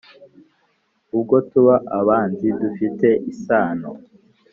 ubwo tuba abanzi dufite isano